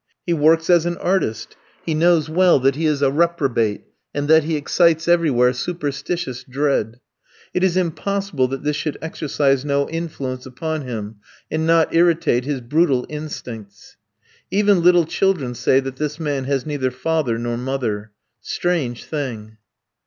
He works as an artist; he knows well that he is a reprobate, and that he excites everywhere superstitious dread. It is impossible that this should exercise no influence upon him, and not irritate his brutal instincts. Even little children say that this man has neither father nor mother. Strange thing!